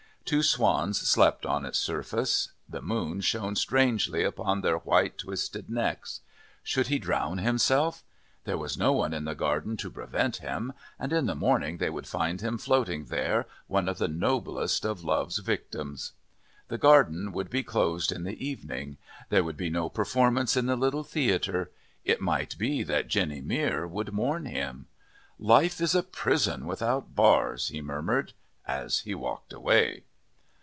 Two swans slept on its surface. The moon shone strangely upon their white, twisted necks. Should he drown himself? There was no one in the garden to prevent him, and in the morning they would find him floating there, one of the noblest of love's victims. The garden would be closed in the evening. There would be no performance in the little theatre. It might be that Jenny Mere would mourn him. "Life is a prison, without bars," he murmured, as he walked away.